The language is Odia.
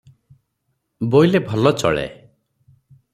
ବୋଇଲେ ଭଲ ଚଳେ ।